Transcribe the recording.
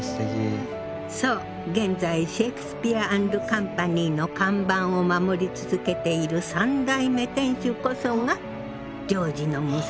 そう現在シェイクスピア・アンド・カンパニーの看板を守り続けている三代目店主こそがジョージの娘